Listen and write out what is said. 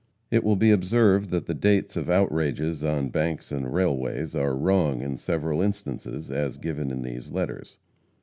It will be observed that the dates of outrages on banks and railways, are wrong in several instances, as given in these letters.